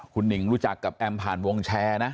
คุณหนิงรู้จักกับแอมผ่านวงแชร์นะ